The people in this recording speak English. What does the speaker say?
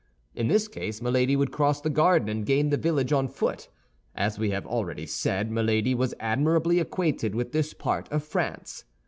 In this case Milady would cross the garden and gain the village on foot. As we have already said, Milady was admirably acquainted with this part of France.